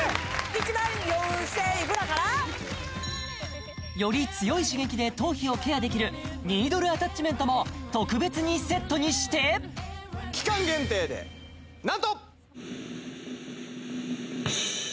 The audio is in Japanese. １万４０００いくらから？より強い刺激で頭皮をケアできるニードルアタッチメントも特別にセットにして期間限定でなんと！